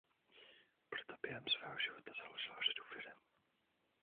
Proto během svého života založil řadu firem.